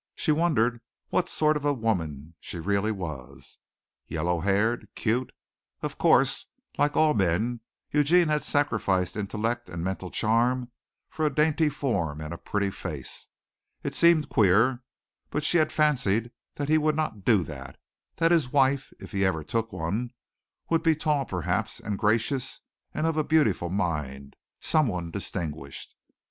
She wondered what sort of a woman she really was. "Yellow haired! Cute!" Of course, like all men, Eugene had sacrificed intellect and mental charm for a dainty form and a pretty face. It seemed queer, but she had fancied that he would not do that that his wife, if he ever took one, would be tall perhaps, and gracious, and of a beautiful mind someone distinguished.